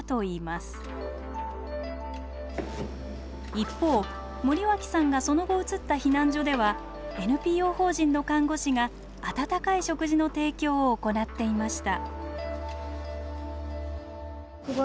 一方森脇さんがその後移った避難所ではＮＰＯ法人の看護師があたたかい食事の提供を行っていました。